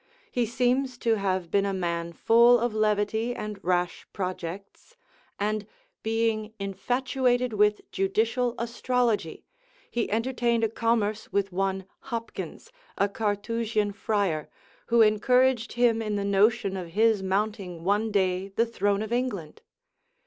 He seems to have been a man full of levity and rash projects; and being infatuated with judicial astrology, he entertained a commerce with one Hopkins, a Carthusian friar, who encouraged him in the notion of his mounting one day the throne of England.